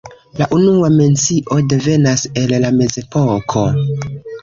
La unua mencio devenas el la mezepoko.